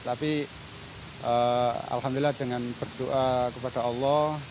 tapi alhamdulillah dengan berdoa kepada allah